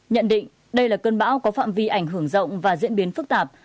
nhận định đây là cơn bão có phạm vi ảnh hưởng rộng và diễn biến phức tạp